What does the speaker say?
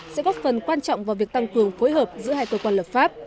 sẽ góp phần quan trọng vào việc tăng cường phối hợp giữa hai cơ quan lập pháp